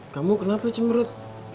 kamu kenapa cemerut